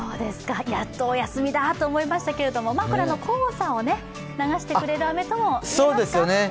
やっとお休みだと思いましたけれども、黄砂を流してくれる雨とも言えますかね。